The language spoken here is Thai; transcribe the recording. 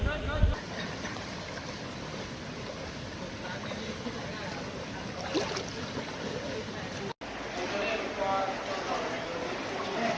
สุดท้ายสุดท้าย